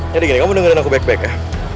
jadi gini kamu dengerin aku baik baik ya